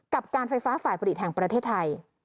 กับการไฟฟ้าฝ่ายผลิตแห่งประเทศไทย